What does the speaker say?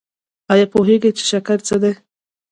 ایا پوهیږئ چې شکر څه دی؟